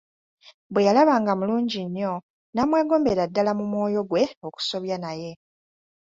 Bwe yalaba nga mulungi nnyo, n'amwegombera ddala mu mwoyo gwe okusobya naye.